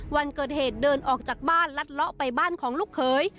วันเกิดเหตุเดินออกจากบ้านลัดเลาะไปบ้านของลูกเขย